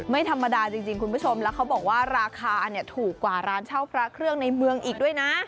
ไม่ธรรมดาจริงคุณผู้ชมแล้วเขาบอกว่าราคาเนี่ยถูกกว่าร้านเช่าพระเครื่องในเมืองอีกด้วยนะ